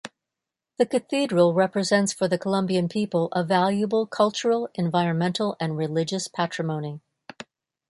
The cathedral represents for the Colombian people a valuable cultural, environmental and religious patrimony.